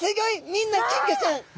みんな金魚ちゃん！